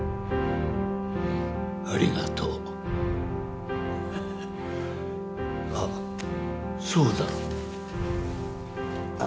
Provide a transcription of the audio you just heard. うんありがとうあっそうだあ